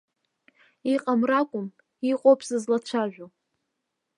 Иҟам ракәым, иҟоуп сызлацәажәо.